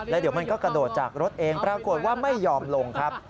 แล้วเดี๋ยวมันก็กระโดดจากรถเองปรากฏว่าไม่ยอมลงครับ